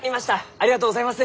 ありがとうございます！